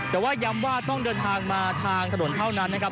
แต่ว่าย้ำว่าต้องเดินทางมาทางถนนเท่านั้นนะครับ